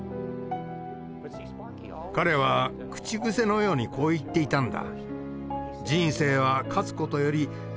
彼は口癖のようにこう言っていたんだ。